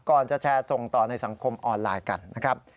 ก่อนจะแชร์ส่งต่อในสังคมออนไลน์กันนะครับ